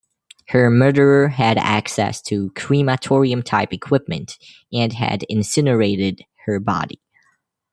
Her murderer had access to crematorium-type equipment and had incinerated her body.